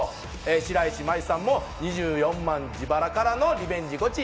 白石麻衣さんも２４万自腹からのリベンジゴチ！